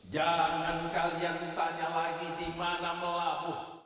jangan kalian tanya lagi dimana melabuh